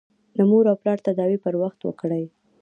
د مور او پلار تداوي پر وخت وکړئ.